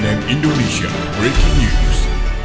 cnn indonesia breaking news